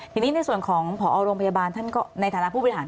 ทีนี้ในส่วนของผโรงพยาบาลท่านในฐานะผู้ผิดหรอ่าง